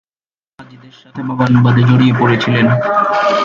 তিনি তিনি মোল্লা এবং কাজীদের সাথে বাদানুবাদে জড়িয়ে পড়েছিলেন।